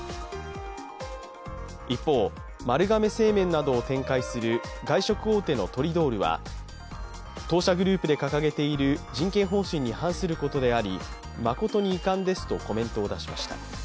一方、丸亀製麺などを展開する外食大手のトリドールは当社グループで掲げている人権方針に反することであり誠に遺憾ですとコメントを出しました。